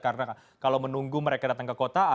karena kalau menunggu mereka datang ke kota